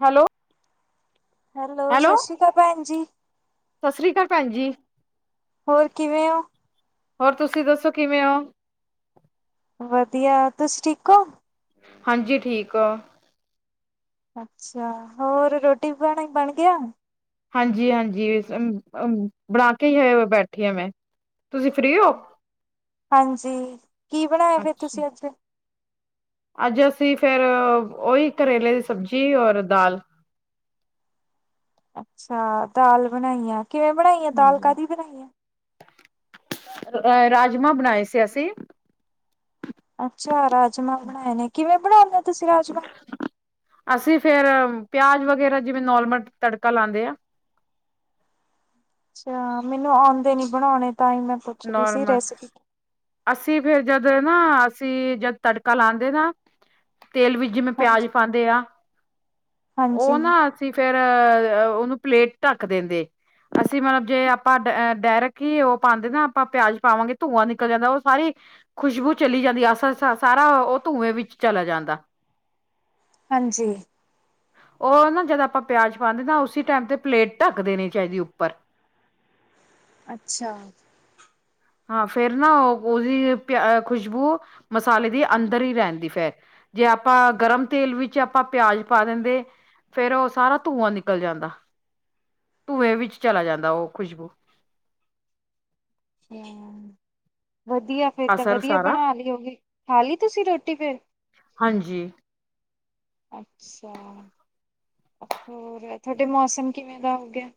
Hello hello ਸਤਿ ਸ੍ਰੀ ਅਕਾਲ ਭੈਣ ਜੀ ਸਤਿ ਸ੍ਰੀ ਅਕਾਲ ਭੈਣ ਜੀ ਹੋਰ ਕਿਵੇਂ ਹੋ? ਹੋਰ ਤੁਸੀਂ ਦੱਸੋ ਕਿਵੇਂ ਹੋ? ਵਧੀਆ ਤੁਸੀਂ ਠੀਕ ਹੋ? ਹਾਂਜੀ ਠੀਕ ਆ। ਅੱਛਾ, ਹੋਰ ਰੋਟੀ ਪਾਣੀ ਬਣ ਗਿਆ? ਹਾਂਜੀ, ਹਾਂਜੀ ਬਣਾ ਕੇ ਹੀ ਹੈ ਬੈਠੀ ਆ ਮੈਂ। ਤੁਸੀਂ ਫ੍ਰਰੀ ਹੋ ਹਾਂਜੀ ਕੀ ਬਣਾਇਆ ਫਿਰ ਅੱਛਾ ਤੁਸੀਂ ਅੱਜ? ਅੱਜ ਅਸੀਂ ਫਿਰ ਓਹੀ ਕਰੇਲੇ ਦੀ ਸਬਜ਼ੀ ਔਰ ਦਾਲ । ਅੱਛਾ ਦਾਲ ਬਣਾਈ ਆ। ਕਿਵੇਂ ਬਣਾਈ ਆ ਦਾਲ ਹਾਂਜੀ, ਕਾਹਦੀ ਬਣਾਈ ਆ? ਰਾਜਮਾਂ ਬਣਾਏ ਸੀ ਅਸੀਂ । ਅੱਛਾ ਰਾਜਮਾਂ ਬਣਾਏ ਨੇ ਕਿਵੇਂ? ਬਣਾਉਂਦੇ ਹੋ ਤੁਸੀਂ ਰਾਜਮਾਂ? ਅਸੀਂ ਫੇਰ ਪਿਆਜ ਵਗੈਰਾ ਜਿਵੇਂ ਨੋਰਮਲ ਤੜਕਾ ਲਾਉਂਦੇ ਆ। ਅੱਛਾ ਮੈਨੂੰ ਆਉਂਦੇ ਨਹੀਂ । ਬਣਾਉਣੇ ਤਾਂ ਹੀ ਮੈਂ ਪੁੱਛਦੀ ਸੀ ਨੋਰਮਲ ਰੈਸਪੀ ਅਸੀਂ ਫਿਰ ਜਦੋਂ । ਨਾ, ਅਸੀਂ ਜਦ ਤੜਕਾ ਲਗਾਉਂਦੇ ਨਾ। ਤੇਲ ਵਿੱਚ ਜਿਵੇਂ ਪਿਆਜ ਹਾਂਜੀ ਪਾਉਂਦੇ ਆ ਹਾਂਜੀ ਉਹ ਨਾ ਅਸੀਂ ਫਿਰ । ਉਹਨੂੰ ਪਲੇਟ ਢੱਕ ਦਿੰਦੇ ਅਸੀਂ ਮਤਲਬ ਜੇ ਆਪਾਂ ਡਾਇਰਕ ਹੀ ਉਹ ਪਾਉਂਦੇ ਨਾ [unintelligible] ਆਪਾਂ ਪਿਆਜ ਪਾਵਾਂਗੇ ਧੂੰਆਂ ਨਿਕਲ ਜਾਂਦਾ ਉਹ ਸਾਰੀ ਖੁਸ਼ਬੂ ਚਲੀ ਜਾਂਦੀ ਸ ਸ ਸਾਰਾ ਉਹ ਧੂੰਏ ਵਿੱਚ ਚਲਾ ਜਾਂਦਾ। ਹਾਂਜੀ। ਉਹ ਨਾ ਜਦ ਆਪਾਂ ਪਿਆਜ ਪਾਉਣੇ ਨਾ ਉਸੀ ਟਾਈਮ ਤੇ ਪਲੇਟ ਢੱਕ ਦੇਣੀ ਚਾਹੀਦੀ ਉੱਪਰ। ਅੱਛਾ। ਹਾਂ ਫੇਰ ਨਾ ਉਹ ਉਹਦੀ ਪਿਆ ਖੁਸ਼ਬੂ ਮਸਾਲੇ ਦੀ ਅੰਦਰ ਹੀ ਰਹਿੰਦੀ ਫੇਰ ਜੇ ਆਪਾਂ ਗਰਮ ਤੇਲ ਵਿੱਚ ਆਪਾਂ ਪਿਆਜ ਪਾ ਦਿੰਦੇ ਫੇਰ ਉਹ ਸਾਰਾ ਧੂੰਆਂ ਨਿਕਲ ਜਾਂਦਾ ਧੂੰਏ ਵਿੱਚ ਚਲਾ ਜਾਂਦਾ ਉਹ ਖੁਸ਼ਬੂ। ਹੂੰ। [unintelligible] [unintelligible] ਵਧੀਆ ਫਿਰ ਤਾਂ ਅਸਰ ਵਧੀਆ ਸਾਰਾ ਬਣਾ ਲਈ ਹੋਗੀ ਖਾ ਲਈ ਤੁਸੀਂ ਰੋਟੀ ਫਿਰ ਹਾਂਜੀ ਅੱਛਾ। ਹੋਰ ਤੁਹਾਡੇ ਮੌਸਮ ਕਿਵੇਂ ਦਾ ਹੋ ਗਿਆ। [unintelligible]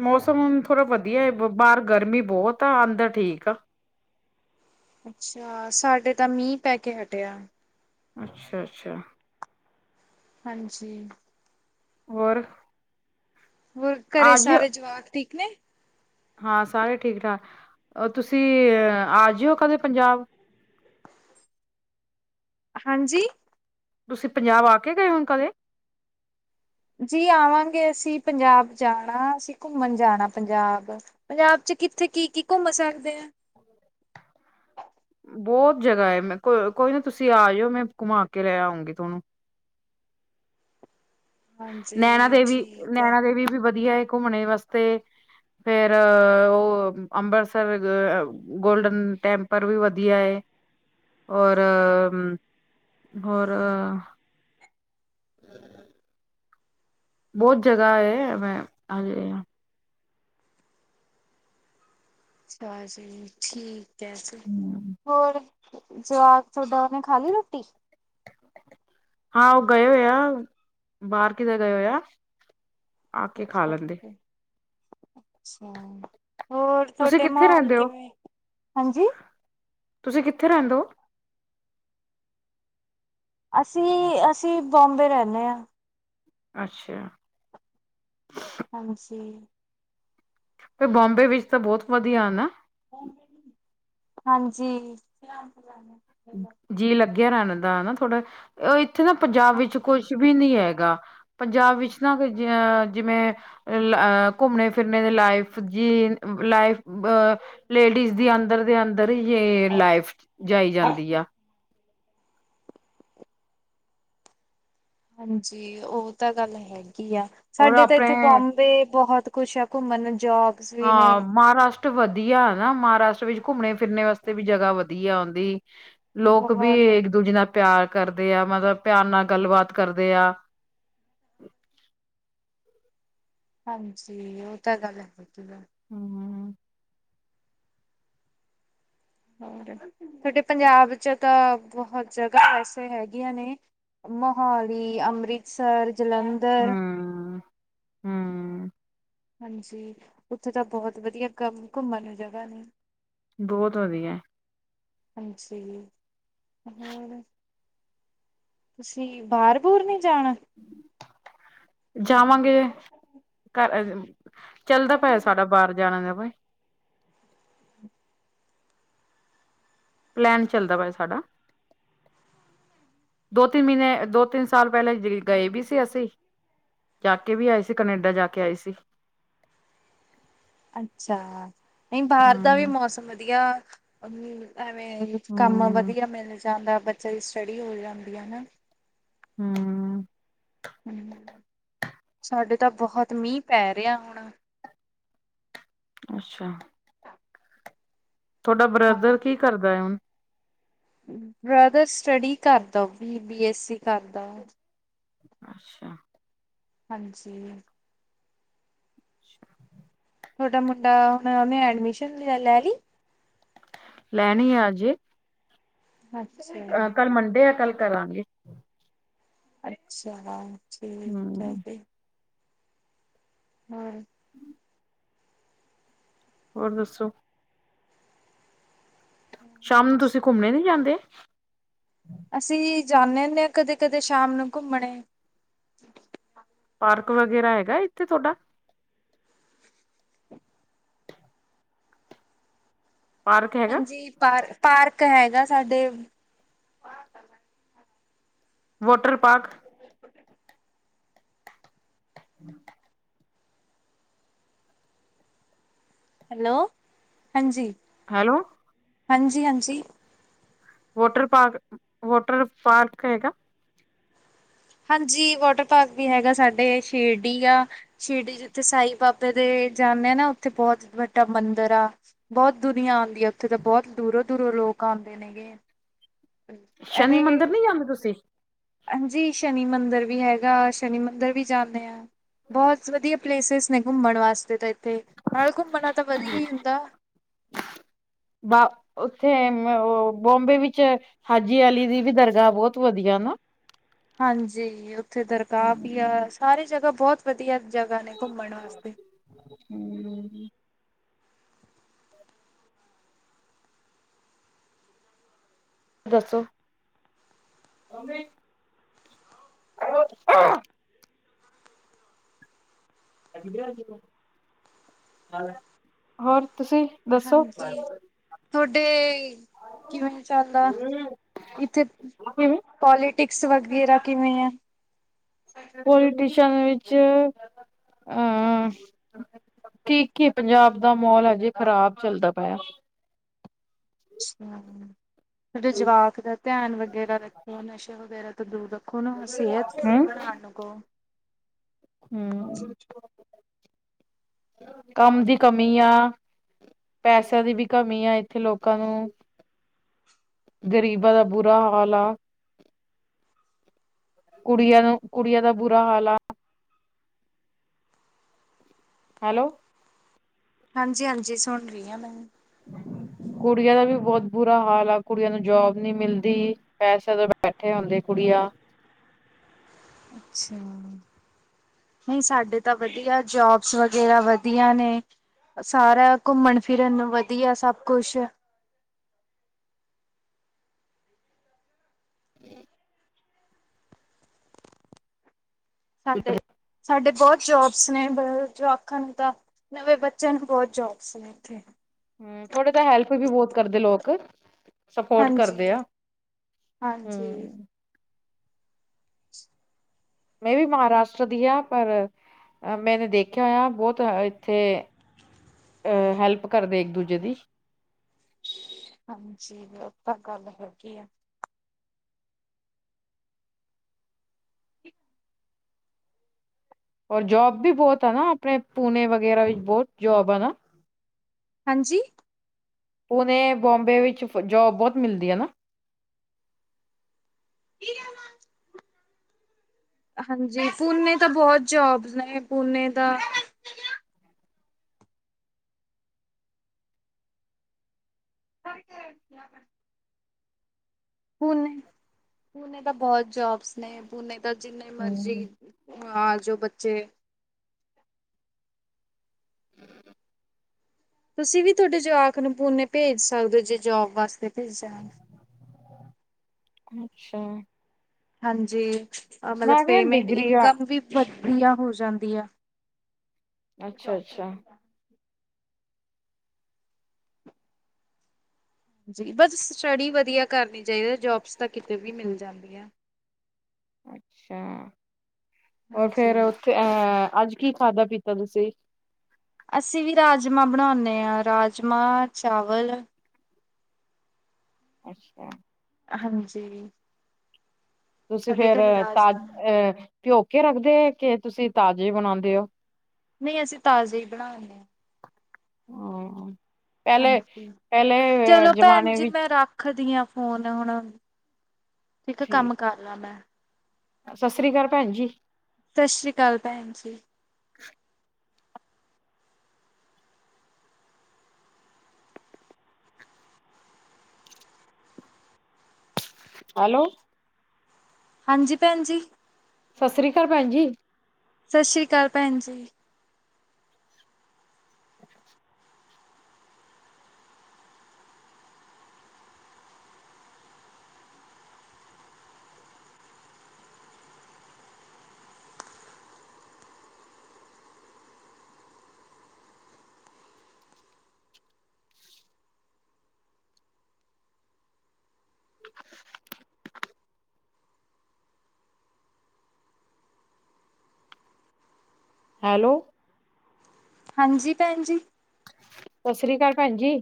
ਮੌਸਮ ਹੁਣ ਥੋੜਾ ਵਧੀਆ ਹੈ ਬਾਹਰ ਗਰਮੀ ਬਹੁਤ ਆ ਅੰਦਰ ਠੀਕ ਆ। ਅੱਛਾ ਸਾਡੇ ਤਾਂ ਮੀਂਹ ਪੈ ਕੇ ਹਟਿਆ। ਅੱਛਾ ਅੱਛਾ। ਹਾਂਜੀ। ਹੋਰ। ਹੋਰ ਘਰੇ ਆ ਜਾਇਓ ਸਾਰੇ ਜਵਾਕ ਠੀਕ। ਕਿਵੇ । [unintelligible] ਹਾਂ ਸਾਰੇ ਠੀਕ ਠਾਕ ਏ ਤੁਸੀਂ ਆ ਜਾਇਓ ਕਦੇ ਪੰਜਾਬ। ਹਾਂਜੀ। ਤੁਸੀਂ ਪੰਜਾਬ ਆ ਕੇ ਗਏ ਹੋ ਹੁਣ ਕਦੇ। ਜੀ ਆਵਾਂਗੇ ਅਸੀਂ ਪੰਜਾਬ ਜਾਣਾ ਅਸੀਂ ਘੁੰਮਣ ਜਾਣਾ ਪੰਜਾਬ ਪੰਜਾਬ ਚ ਕਿੱਥੇ ਕੀ ਕੀ ਘੁੰਮ ਸਕਦੇ ਹਾ। ਬਹੁਤ ਜਗ੍ਹਾ ਹੈ ਮੈਂ ਕੋ ਕੋਈ ਨਾ ਤੁਸੀਂ ਆ ਜਾਇਓ ਮੈਂ ਘੁਮਾ ਕੇ ਲੈ ਆਉਂਗੀ ਤੁਹਾਨੂੰ। ਨੈਣਾ ਹਾਂਜੀ ਦੇਵੀ ਠੀਕ ਹੈ ਨੈਣਾ ਦੇਵੀ ਵੀ। ਵਧੀਆ ਘੁੰਮਣੇ ਵਾਸਤੇ ਫੇਰ ਉਹ ਅੰਮ੍ਰਿਤਸਰ ਗੋਲਡਨ ਟੈਂਪਲ ਵੀ ਵਧੀਆ ਹੈ ਔਰ ਹੋਰ। ਬਹੁਤ ਜਗ੍ਹਾ ਹੈ ਮੈਮ ਹਾਂਜੀ। ਅੱਛਾ ਜੀ ਠੀਕ। ਵੈਸੇ ਹਮ ਹੋਰ। ਜਵਾਕ ਥੋੜੀਆ ਨੇ ਖਾ ਲਈ ਰੋਟੀ। [unintelligible] ਹਾਂ ਉਹ ਗਏ ਹੋਏ ਆ ਬਾਹਰ ਕਿਤੇ ਗਏ ਹੋਏ ਆ। ਆ ਕੇ ਖਾ ਅੱਛਾ ਲੈਂਦੇ। ਅੱਛਾ ਅੱਛਾ। ਹੋਰ ਤੁਸੀਂ ਤੁਹਾਡੇ ਕਿੱਥੇ ਮਾਹੌਲ ਰਹਿੰਦੇ ਹੋ ਕਿਵੇਂ ਹਾਂਜੀ। ਤੁਸੀਂ ਕਿੱਥੇ ਰਹਿੰਦੇ ਹੋ? ਅਸੀਂ ਅਸੀਂ ਬਾਮਬੇ ਰਹਿਣੇ ਹਾਂ। ਅੱਛਾ। ਹਾਂਜੀ। ਫੇਰ ਬਾਮਬੇ ਵਿੱਚ ਤਾਂ ਬਹੁਤ ਵਧੀਆ ਨਾ। ਭੈਣ ਜੀ। [unintelligible] ਹਾਂਜੀ। ਜੀ ਲੱਗ । ਲੱਗਿਆ ਰਹਿਣ ਦਾ ਹਨਾ ਥੋੜਾ ਉਹੀ। [unintelligible] ਇੱਥੇ ਨਾ ਪੰਜਾਬ ਹਾਂ- ਵਿੱਚ ਕੁਛ ਵੀ ਨਹੀ ਹੈ। ਹੈਗਾ ਪੰਜਾਬ ਵਿੱਚ ਨਾ ਜਿਵੇਂ ਘੁੰਮਣੇ ਫਿਰਨ ਦੀ ਲਾਈਫ ਜੀ ਲਾਈਫ ਅ। ਲੇਡੀਜ਼ ਦੀ ਅੰਦਰ ਦੇ ਅੰਦਰ ਯੇ ਲਾਈਫ ਜਾਈ ਜਾਂਦੀ। ਹਾਂਜੀ, ਉਹ ਤਾਂ ਗੱਲ ਹੈਗੀ। ਕੀ ਆ ਔਰ ਸਾਡੇ ਤਾਂ ਇੱਥੇ ਆਪਣੇ ਬੋਬੇ ਬਹੁਤ ਕੁਛ ਆ ਘੁੰਮਣ ਜੋਬਸ ਵੀ ਨੇ ਹਾਂ ਮਹਾਰਾਸ਼ਟ ਤੇ ਵਧੀਆ ਨਾ ਮਹਾਰਾਸ਼ਟਰ ਵਿੱਚ ਘੁੰਮੇ ਫਿਰਨ ਵਾਸਤੇ ਵੀ ਜਗਾ ਵਧੀਆ ਆਉਂਦੀ। ਲੋਕ ਵੀ ਬਹੁਤ ਇੱਕ ਦੂਜੇ ਦਾ ਪਿਆਰ ਕਰਦੇ ਆ ਮਤਲਬ ਪਿਆਰ ਨਾਲ ਗੱਲਬਾਤ ਕਰਦੇ ਆ ਹਾਂਜੀ ਉਹ ਤਾਂ ਗੱਲ ਹੇਗੀ ਆ। ਹੁੰ, ਹੁੰ ਹੋ ਤੁਹਾਡੇ ਪੰਜਾਬ ਚ ਤਾਂ ਬਹੁਤ ਜਗ੍ਹਾ ਵੈਸੇ ਹੈਗੀਆਂ ਨੇ ਮੋਹਾਲੀ ਅੰਮ੍ਰਿਤਸਰ ਜਲੰਧਰ ਹੂੰ। ਹਾਂਜੀ, ਉੱਥੇ ਤਾਂ ਬਹੁਤ ਵਧੀਆ ਘਮ ਘੁੰਮਣ ਨੂੰ ਜਗ੍ਹਾ ਨੇ ਬਹੁਤ ਵਧੀਆ ਏ ਹਾਂਜੀ ਹੋਰ ਤੁਸੀਂ ਬਾਹਰ ਬੂਰ ਨੀ ਜਾਣਾ ਜਾਵਾਂਗੇ ਘਰ ਚੱਲਦਾ ਪੈ ਸਾਡਾ ਬਾਹਰ ਜਾਣਾ ਦਾ ਬਾਈ ਪਲੈਨ ਚੱਲਦਾ ਪਿਆ ਸਾਡਾ ਦੋ ਤਿੰਨ ਮਹੀਨੇ ਦੋ ਤਿੰਨ ਸਾਲ ਪਹਿਲਾਂ ਗਏ ਵੀ ਸੀ ਅਸੀਂ ਜਾ ਕੇ ਵੀ ਆਏ ਸੀ ਕੈਨੇਡਾ ਜਾ ਕੇ ਆਏ ਸੀ। ਅੱਛਾ ਨਹੀਂ ਬਾਹਰ ਦਾ ਵੀ ਹਮ ਮੌਸਮ ਵਧੀਆ ਏ [unintelligible] ਐਵੇਂ ਕੰਮ ਹਮ ਵਧੀਆ ਮਿਲ ਜਾਂਦਾ ਬੱਚਿਆਂ ਦੀ ਸਟੱਡੀ ਹੋ ਜਾਂਦੀ ਹੈ ਨਾ ਹੂੰ ਸਾਡੇ ਤਾਂ ਬਹੁਤ ਮੀਂਹ ਪੈ ਰਿਹਾ ਹੁਣ ਅੱਛਾ। ਤੁਹਾਡਾ ਬ੍ਰਦਰ ਹਾਂ। ਕੀ ਕਰਦਾ ਹੈ ਹੁਣ ਬ੍ਰਦਰ ਸਟੱਡੀ ਕਰਦਾ ਉਹ ਵੀ ਬੀ ਐਸਸੀ ਕਰਦਾ। ਅੱਛਾ। ਹਾਂਜੀ। ਅੱਛਾ। ਤੁਹਾਡਾ ਮੁੰਡਾ ਹੁਣ ਉਹਨੇ ਐਡਮਿਸ਼ਨੈ ਲੈ ਲਈ। ਲੈਣੀ ਆ ਹਜੇ ਅੱਛਾ, ਅਹ ਕੱਲ ਮੰਡੇ ਆ ਕੱਲ ਕਰਾਂਗੇ। ਅੱਛਾ, ਠੀਕ ਹੈ ਹਮ ਫਿਰ ਹੂੰ, ਹੂੰ, ਹੋਰ ਦੱਸੋ? ਸ਼ਾਮ ਨੂੰ ਤੁਸੀਂ ਘੁੰਮਣੇ ਨੀ ਜਾਂਦੇ। ਅਸੀਂ ਜਾਂਦੇ ਹੁੰਦੇ ਹਾਂ ਕਦੇ-ਕਦੇ ਸ਼ਾਮ ਨੂੰ ਘੁੰਮਣੇ ਪਾਰਕ ਵਗੈਰਾ ਹੈਗਾ ਇੱਥੇ ਤੁਹਾਡਾ? ਪਾਰਕ ਹੈਗਾ ਹਾਂਜੀ, ਪਾਰ ਪਾਰਕ ਹੈਗਾ ਸਾਡੇ। Water park. ਹੂੰ, ਹੈਲੋ, ਹਾਂਜੀ। ਹੈਲੋ, ਹਾਂਜੀ-ਹਾਂਜੀ। ਵਾਟਰ ਪਾਰਕ ਵਾਟਰ ਪਾਰਕ ਹੈਗਾ। ਹਾਂਜੀ ਵਾਟਰ ਪਾਰਕ ਵੀ ਹੈਗਾ ਸਾਡੇ ਸ਼ਿਰਡੀ ਆ ਸ਼ਿਰਡੀ ਜਿੱਥੇ ਸਾਈ ਬਾਬੇ ਦੇ ਜਾਂਦੇ ਆ ਨਾ ਉੱਥੇ ਬਹੁਤ ਵੱਡਾ ਮੰਦਿਰ ਆ ਬਹੁਤ ਦੁਨੀਆਂ ਆਉਂ ਉੱਥੇ ਤਾਂ ਬਹੁਤ ਦੂਰੋਂ ਧੂਰੋਂ ਲੋਕ ਆਦੇ ਨੇ ਗੇ। ਸ਼ਨੀ ਮੰਦਿਰ ਨਹੀਂ ਜਾਂਦੇ ਤੁਸੀਂ। ਹਾਂਜੀ ਸ਼ਨੀ ਮੰਦਰ ਵੀ ਹੈਗਾ ਸ਼ਨੀ ਮੰਦਿਰ ਵੀ ਜਾਂਨੇ ਹਾਂ। ਬਹੁਤ ਵਧੀਆ। ਪਲੇਸਿਸ ਨੇ ਘੁੰਮਣ ਵਾਸਤੇ ਤਾਂ ਤੇ ਨਾਲੇ ਘੁੰਮਣ ਤਾਂ ਵਧੀਆ ਹੀ ਹੁੰਦਾ। ਥੇ ਬੋਬੇ ਵਿੱਚ ਹਾਜੀ ਆਲੀ ਦੀ ਵੀ ਦਰਗਾਹ ਬਹੁਤ ਵਧੀਆ ਨਾ। ਹਾਂਜੀ ਉੱਥੇ ਦਰਗਾਹ ਵੀ ਆ ਸਾਰੀ ਜਗ੍ਹਾ ਬਹੁਤ ਵਧੀਆ। ਜਗ੍ਹਾ ਨੇ ਘੁੰਮਣ ਵਾਸਤੇ ਹੂੰ, ਦੱਸੋ। ਉਹਵੇ [unintelligible] ਹੋਰ? ਤੁਸੀਂ ਦੱਸੋ ਹਾਂਜੀ ਕਿਵੇਂ ਤੁਹਾਡੇ ਕਿਵੇਂ ਚੱਲਦਾ ਇੱਥੇ ਪੋਲੀਟਿਕਸ ਵਗੈਰਾ ਕਿਵੇਂ ਆ। [unintelligible] ਵਿੱਚ ਅਹ ਠੀਕ ਹੀ ਪੰਜਾਬ ਦਾ ਮਾਹੌਲ ਹਜੇ ਖ਼ਰਾਬ ਚੱਲਦਾ ਪਿਆ। ਹੂੰ, ਜਵਾਕ ਦਾ ਧਿਆਨ ਵਗੈਰਾ ਰੱਖੋ ਨਸ਼ੇ ਵਗੈਰਾ ਤੋਂ ਦੂਰ ਰੱਖੋ ਸਿਹਤ ਸੁਹਿਤ ਬਣਾਣ ਨੂੰ ਕਹੋ। ਹੂੰ, ਕੰਮ ਦੀ ਕਮੀ ਆ ਪੈਸਿਆਂ ਦੀ ਵੀ ਕਮੀ ਆ ਇੱਥੇ ਲੋਕਾਂ ਨੂੰ ਗਰੀਬਾਂ ਦਾ ਬੁਰਾ ਹਾਲ ਆ ਕੁੜੀਆਂ ਨੂੰ ਕੁੜੀਆਂ ਦਾ ਬੁਰਾ ਹਾਲ ਆ। ਹੈਲੋ। ਹਾਂਜੀ ਹਾਂਜੀ ਸੁਣ ਰਹੀ ਹਾਂ ਮੈ ਕੁੜੀਆਂ ਦਾ ਵੀ ਬਹੁਤ ਬੁਰਾ ਹਾਲ ਆ ਕੁੜੀਆਂ ਨੂੰ ਜੋਬ ਨੀ ਮਿਲਦੀ ਪੈਸੇ ਤੋਂ ਬੈਠੇ ਹੁੰਦੇ ਕੁੜੀਆਂ। ਅੱਛਾ ਨਹੀਂ ਸਾਡੇ ਤਾਂ ਵਧੀਆ ਜੋਬਸ ਵਗੈਰਾ ਵਧੀਆ ਨੇ ਸਾਰਾ ਘੁੰਮਣ ਫਿਰਨ ਵਧੀਆ ਸਭ ਕੁਛ। ਹੂੰ ਸਾਡੇ ਸਾਡੇ ਬਹੁਤ ਜੋਬ ਨੇ ਜੋ ਆਖਣ ਤਾਂ ਨਵੇਂ ਬੱਚਿਆਂ ਨੂੰ ਬਹੁਤ ਜੋਬਸ ਨੇ ਇੱਥੇ। ਹੂੰ ਥੋੜੇ ਤਾਂ ਹੈਲਪ ਵੀ ਬਹੁਤ ਕਰਦੇ ਲੋਕ। ਸਪੋਰਟ ਕਰਦੇ ਆ ਹੂੰ ਹਾਂਜੀ-ਹਾਂਜੀ। ਮੈਂ ਵੀ ਮਹਾਰਾਸ਼ਟਰ ਦੀ ਆ। ਪਰ ਮੈਨੇ ਦੇਖਿਆ ਹੋਇਆ ਬਹੁਤ ਇੱਥੇ ਅਹ ਹੈਲਪ ਕਰਦੇ ਇੱਕ ਦੂਜੇ ਦੀ। ਹਾਂਜੀ ਤਾਂ ਗੱਲ ਹੈਗੀ ਆ। ਔਰ ਜੋਬ ਵੀ ਬਹੁਤ ਆ ਨਾ ਆਪਣੇ ਪੂਣੇ ਵਗੈਰਾ ਵਿੱਚ ਬਹੁਤ ਜੋਬ ਨਾ। ਹਾਂਜੀ। ਪੂਣੇ ਬੋਬੇ ਵਿੱਚ ਜੋਬ ਬਹੁਤ ਮਿਲਦੀ ਹੈ ਨਾ। [unintelligible] ਹਾਂਜੀ ਪੂਨੇ ਦਾ ਬਹੁਤ ਜੋਬਸ ਨੇ ਪੂਨੇ ਦਾ [unintelligible] ਪੂਣੇ ਪੂਣੇੇ ਦਾ ਬਹੁਤ ਜੋਬਸ ਨੇ ਪੂਣੇ ਜਿੰਨੇ ਮਰਜ਼ੀ ਹਮ ਹਾਂ ਜੋ ਬੱਚੇ [unintelligible] ਤੁਸੀਂ ਵੀ ਤੁਹਾਡੇ ਜਵਾਕ ਨੂੰ ਪੂਨੇ ਭੇਜ ਸਕਦੇ ਹੋ ਜੇ ਜੋਬ ਵਾਸਤੇ ਭੇਜਣਾ। ਅੱਛਾ। ਹਾਂਜੀ। ਮਤਲਬ ਮੈਂ ਕਿਹਾ ਪੇਮੈਂਟ ਡਿਗਰੀ ਆ ਇਨਕਮ ਵੀ ਹੋ ਜਾਂਦੀਆ। ਅੱਛਾ ਅੱਛਾ [unintelligible] ਬਸ ਸਟੱਡੀ ਵਧੀਆ ਕਰਨੀ ਚਾਹੀਦਾ ਜੋਬਸ ਤਾਂ ਕਿਤੇ ਵੀ ਮਿਲ ਜਾਂਦੀ ਆ। ਅੱਛਾ ਹੋਰ ਹਾਂਜੀ। ਫੇਰ ਉੱਥੇ ਆ ਅੱਜ ਕੀ ਖਾਧਾ ਪੀਤਾ ਤੁਸੀਂ। ਅਸੀਂ ਵੀ ਰਾਜਮਾਂ ਬਣਾਉਂਦੇ ਹਾਂ ਰਾਜਮਾਂ, ਚਾਵਲ। ਅੱਛਾ। ਹਾਂਜੀ। ਤੁਸੀਂ ਸਾਡੇ ਫੇਰ ਘਰੇ ਤਾਜ ਰਾਜਮਾਂ ਅਹ ਭਿਓਕੇ ਰੱਖਦੇ ਕਿ ਤੁਸੀਂ ਤਾਜ਼ੇ ਬਣਾਉਂਦੇ ਹੋ। ਨਹੀਂ ਅਸੀਂ ਤਾਜ਼ੇ ਹੀ ਬਣਾਨੇ ਆ। ਹਾਂ। ਪਹਿਲੇ ਹਾਂਜੀ ਪਹਿਲੇ ਅ, ਚਲੋ ਭੈਣ ਜ਼ਮਾਨੇ ਜੀ ਵਿੱਚ ਮੈਂ ਰੱਖਦੀ ਹਾਂ ਫੋਨ ਹੁਣ। ਠੀਕ ਆ ਕੰਮ ਕਰ ਲਾ ਮੈਂ। ਸਤਿ ਸ੍ਰੀ ਅਕਾਲ ਭੈਣ ਜੀ। ਸਤਿ ਸ੍ਰੀ ਅਕਾਲ ਭੈਣ ਜੀ। ਹੈਲੋ। ਹਾਂਜੀ ਭੈਣ ਜੀ। ਸਤਿ ਸ੍ਰੀ ਅਕਾਲ ਭੈਣ ਜੀ। ਸਤਿ ਸ੍ਰੀ ਅਕਾਲ ਭੈਣ ਜੀ। [inaudible] [inaudible] ਹੈਲੋ ਹਾਂਜੀ ਭੈਣ ਜੀ। ਸਤਿ ਸ੍ਰੀ ਅਕਾਲ ਭੈਣ ਜੀ।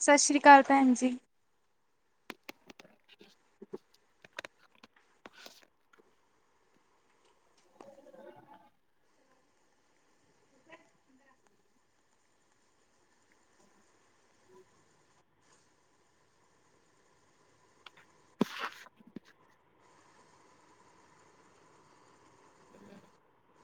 ਸਤਿ ਸ੍ਰੀ ਅਕਾਲ ਭੈਣ ਜੀ [unintelligible]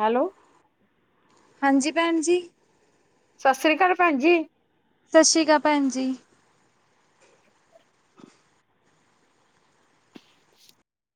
ਹੈਲੋ ਹਾਂਜੀ ਭੈਣ ਜੀ। ਸਤਿ ਸ੍ਰੀ ਅਕਾਲ ਭੈਣ ਜੀ ਸਤਿ ਸ਼੍ਰੀ ਅਕਾਲ ਭੈਣ ਜੀ [inaudible]